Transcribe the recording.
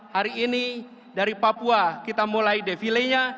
hari ini dari papua kita mulai defilenya